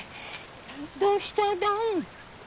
どうしただ？